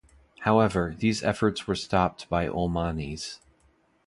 However these efforts were stopped by Ulmanis.